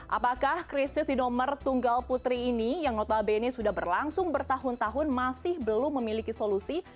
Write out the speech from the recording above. apakah krisis di nomor tunggal putri ini yang notabene sudah berlangsung bertahun tahun masih belum memiliki solusi